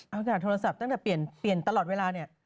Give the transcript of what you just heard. เอาจากโทรศัพท์ตั้งแต่เปลี่ยนตลอดเวลาเนี่ย